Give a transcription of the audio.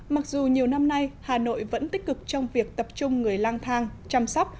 mặc dù nhiều năm nay hà nội vẫn tích cực trong việc tập trung người lang thang chăm sóc